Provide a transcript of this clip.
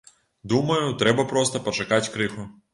Думаю, трэба проста пачакаць крыху.